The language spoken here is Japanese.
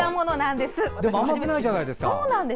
でも甘くないじゃないですか。